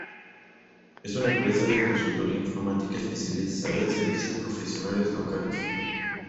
Es una empresa de consultoría informática especializada en servicios profesionales locales.